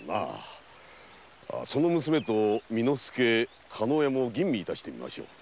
その娘と巳之助加納屋も吟味致してみましょう。